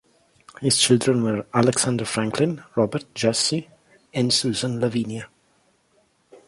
His children were Alexander Franklin, Robert, Jesse and Susan Lavenia.